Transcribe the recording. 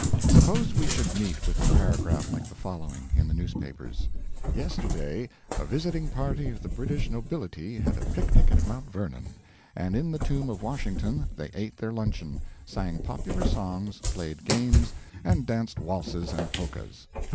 Suppose we should meet with a paragraph like the following, in the newspapers: "Yesterday a visiting party of the British nobility had a picnic at Mount Vernon, and in the tomb of Washington they ate their luncheon, sang popular songs, played games, and danced waltzes and polkas."